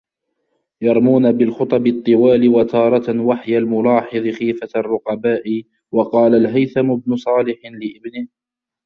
يَرْمُونَ بِالْخُطَبِ الطِّوَالِ وَتَارَةً وَحْيَ الْمَلَاحِظِ خِيفَةَ الرُّقَبَاءِ وَقَالَ الْهَيْثَمُ بْنُ صَالِحٍ لِابْنِهِ